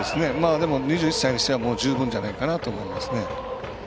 でも２１歳にしては十分じゃないかなと思いますね。